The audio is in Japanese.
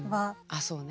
あそうね。